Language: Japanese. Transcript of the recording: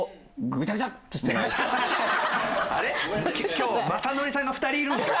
今日雅紀さんが２人いるんですか？